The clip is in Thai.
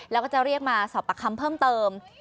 แล้วก็จะเรียกมาสอบประคำเพิ่มเติม